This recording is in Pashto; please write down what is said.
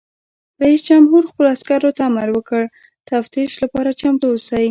رئیس جمهور خپلو عسکرو ته امر وکړ؛ د تفتیش لپاره چمتو اوسئ!